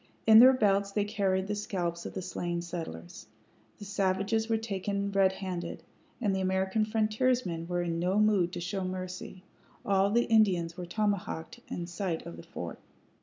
In their belts they carried the scalps of the slain settlers. The savages were taken redhanded, and the American frontiersmen were in no mood to show mercy. All the Indians were tomahawked in sight of the fort.